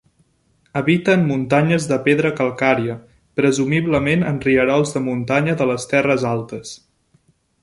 Habita en muntanyes de pedra calcària, presumiblement en rierols de muntanya de les terres altes.